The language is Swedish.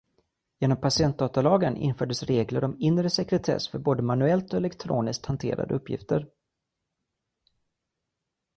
Genom patientdatalagen infördes regler om inre sekretess för både manuellt och elektroniskt hanterade uppgifter.